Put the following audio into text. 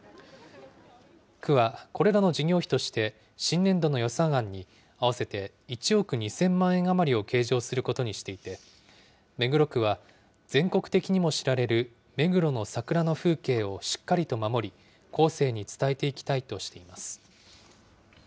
区はこれらの事業費として、新年度の予算案に、合わせて１億２０００万円余りを計上することにしていて、目黒区は全国的にも知られる目黒の桜の風景をしっかりと守り、後世に伝えていきたいとしています。